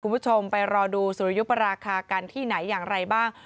คุณผู้ชมไปรอดูสุริยุปราคากันที่ไหนอย่างไรบ้าง